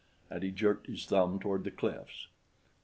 And he jerked his thumb toward the cliffs.